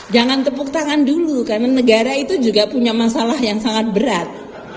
jangan tepuk tangan dulu karena negara itu juga punya masalah yang sangat berat